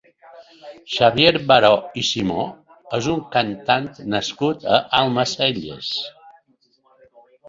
Xavier Baró i Simó és un cantant nascut a Almacelles.